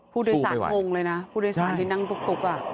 ผู้โดยสารงงเลยนะผู้โดยสารที่นั่งตุ๊ก